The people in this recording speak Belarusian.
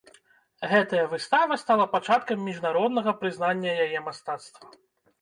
Гэтая выстава стала пачаткам міжнароднага прызнання яе мастацтва.